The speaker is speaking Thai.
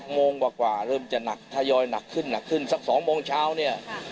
๖โมงมากกว่าเริ่มจะนักถ่ายอยนักขึ้นสัก๒โมงเช้าเนี่ย